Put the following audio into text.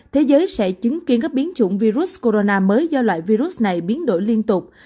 thế giới sẽ chứng kiến các biến chủng virus corona mới do loại virus này biến đổi liên tục